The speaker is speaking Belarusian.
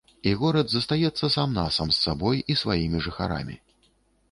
І горад застаецца сам-насам з сабой і сваімі жыхарамі.